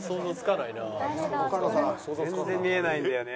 全然見えないんだよね。